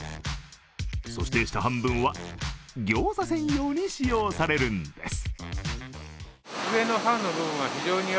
そして下半分は餃子専用に使用されるんです。